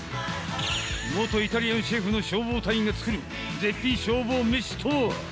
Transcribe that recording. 元イタリアンシェフの消防隊員が作る絶品消防めしとは。